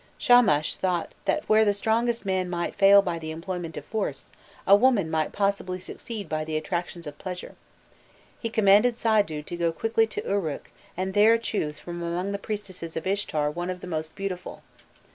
Shamash thought that where the strongest man might fail by the employment of force, a woman might possibly succeed by the attractions of pleasure; he commanded Saidu to go quickly to Uruk and there to choose from among the priestesses of Ishtar one of the most beautiful.